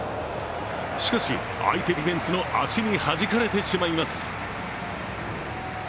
しかし、相手ディフェンスの足にはじかれてしまいます。